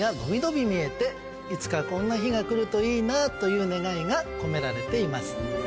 いつかこんな日が来るといいなという願いが込められています。